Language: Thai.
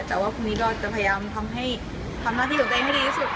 แต่ว่าพรุ่งนี้ก็จะพยายามทำให้ทำหน้าที่สุดใจให้ดีที่สุดค่ะ